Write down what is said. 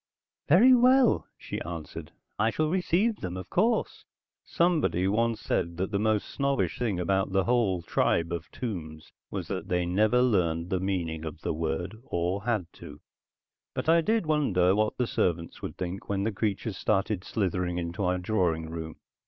"Very well," she answered. "I shall receive them, of course." Somebody once said that the most snobbish thing about the whole tribe of Tombs was that they'd never learned the meaning of the word, or had to. But I did wonder what the servants would think when the creatures started slithering into our drawing room.